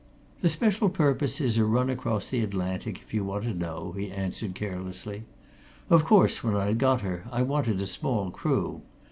"The special purpose is a run across the Atlantic, if you want to know," he answered carelessly. "Of course, when I'd got her, I wanted a small crew.